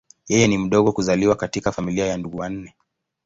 Yeye ni mdogo kuzaliwa katika familia ya ndugu wanne.